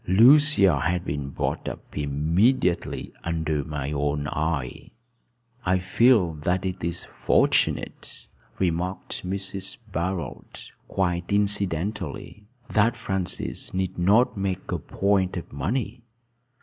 Lucia has been brought up immediately under my own eye." "I feel that it is fortunate," remarked Mrs. Barold, quite incidentally, "that Francis need not make a point of money."